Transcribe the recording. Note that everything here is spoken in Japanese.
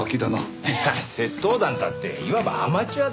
窃盗団ったっていわばアマチュアだ。